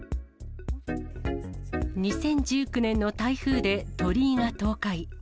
２０１９年の台風で鳥居が倒壊。